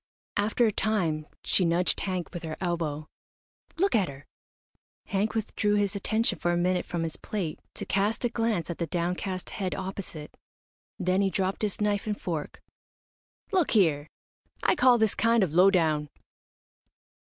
After a time she nudged Hank with her elbow. "Look at her!" Hank withdrew his attention for a minute from his plate to cast a glance at the downcast head opposite. Then he dropped his knife and fork. "Look here! I call this kind of low down."